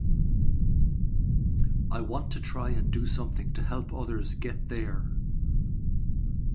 I want to try and do something to help others get there.